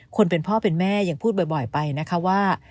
คนเป็นพ่อเป็นแม่ยังพูดบ่อยไปนะคะว่า